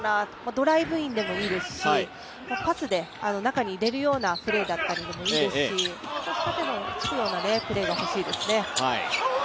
ドライブインでもいいですし、パスで中に入れるようなプレーだったりでもいいですし少し縦を突くようなプレーが欲しいですね。